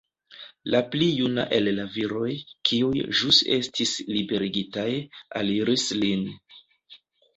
La pli juna el la viroj, kiuj ĵus estis liberigitaj, aliris lin.